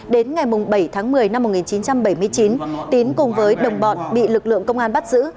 đến ngày bảy tháng một mươi năm một nghìn chín trăm bảy mươi chín tín cùng với đồng bọn bị lực lượng công an bắt giữ